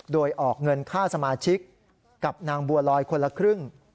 โดยออกเงินค่าสมาชิกกับนางบัวลอยคนละครึ่ง